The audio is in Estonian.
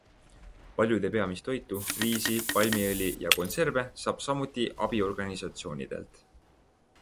Paljude peamist toitu - riisi, palmiõli ja konserve - saab samuti abiorganisatsioonidelt.